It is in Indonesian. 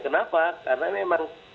kenapa karena memang